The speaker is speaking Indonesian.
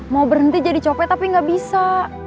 mau berhenti jadi copet tapi gak bisa